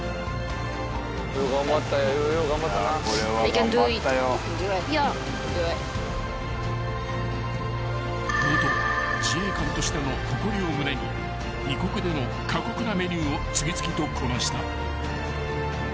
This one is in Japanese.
［元自衛官としての誇りを胸に異国での過酷なメニューを次々とこなした］